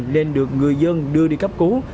nên được người dân đưa đi cấp cứu